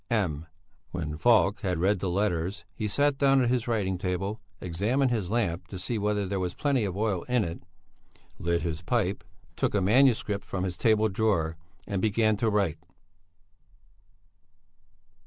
M. When Falk had read the letters, he sat down at his writing table, examined his lamp to see whether there was plenty of oil in it, lit his pipe, took a manuscript from his table drawer, and began to write.